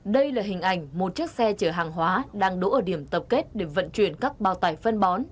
đây là hình ảnh một chiếc xe chở hàng hóa đang đỗ ở điểm tập kết để vận chuyển các bao tải phân bón